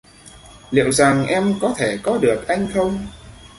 Liệu rằng em có thể có được anh không